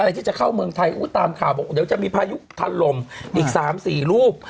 อะไรที่จะเข้าเมืองไทยตามข่าวว่าเดี๋ยวจะมีพระยุทธรรมอีก๓๔รูป